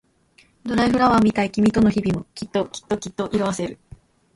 ドライフラワーみたい君との日々もきっときっときっと色あせる